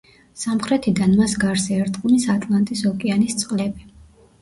სამხრეთიდან მას გარს ერტყმის ატლანტის ოკეანის წყლები.